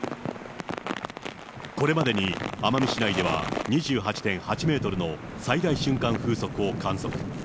これまでに奄美市内では、２８．８メートルの最大瞬間風速を観測。